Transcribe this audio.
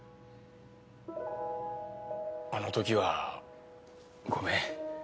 あのときはごめん。